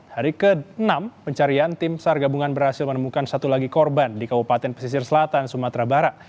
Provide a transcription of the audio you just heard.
hari ke enam pencarian tim sar gabungan berhasil menemukan satu lagi korban di kabupaten pesisir selatan sumatera barat